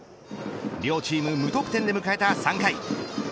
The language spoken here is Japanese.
両チーム無得点で迎えた３回。